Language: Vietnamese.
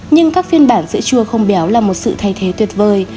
nhưng các phiên bản giữa chua không béo là một sự thay thế tuyệt vời